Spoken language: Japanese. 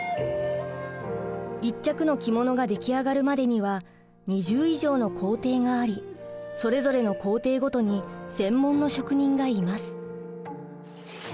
一着の着物が出来上がるまでには２０以上の工程がありそれぞれの工程ごとに専門の職人がいます。